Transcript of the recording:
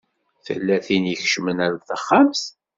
Tella tin i ikecmen ar texxamt.